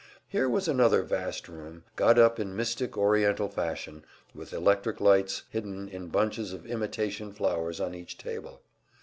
Here was another vast room, got up in mystic oriental fashion, with electric lights hidden in bunches of imitation flowers on each table.